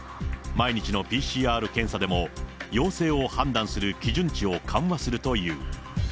毎日のＰＣＲ検査でも、陽性を判断する基準値を緩和するという。